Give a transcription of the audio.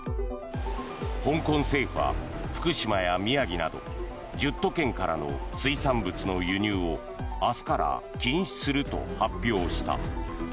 香港政府は福島や宮城など１０都県からの水産物の輸入を明日から禁止すると発表した。